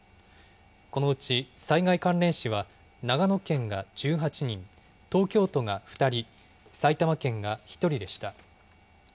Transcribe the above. このうち災害関連死は、長野県が１８人、東京都が２人、埼玉県が１人でした。